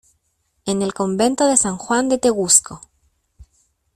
en el convento de San Juan de Tegusco.